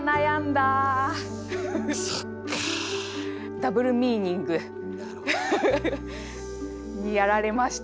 ダブルミーニング。にやられました。